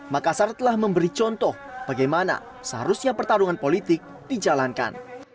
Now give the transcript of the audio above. makassar telah memberi contoh bagaimana seharusnya pertarungan politik dijalankan